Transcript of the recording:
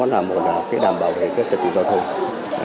là đảm bảo trật tự giao thông